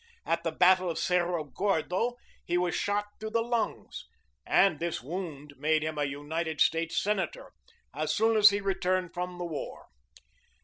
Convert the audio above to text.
At the battle of Cerro Glordo he was shot through the lungs, and this wound made him a United States Senator as soon as he returned from the war.